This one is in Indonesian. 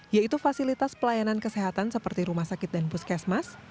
yaitu fasilitas pelayanan kesehatan seperti rumah sakit dan puskesmas